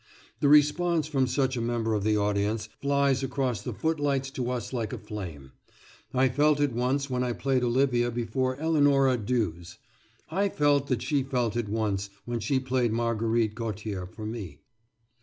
The response from such a member of the audience flies across the footlights to us like a flame. I felt it once when I played Olivia before Eleonora Duse. I felt that she felt it once when she played Marguerite Gautier for me.